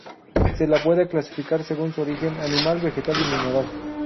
Se la puede clasificar según su origen: animal, vegetal y mineral.